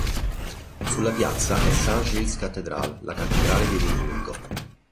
Sulla piazza è "St Giles Cathedral" la cattedrale di Edimburgo.